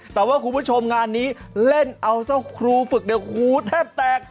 แต่ว่าคุณผู้ชมงานนี้เล่นเอาเจ้าครูฝึกเนี่ยหูแทบแตก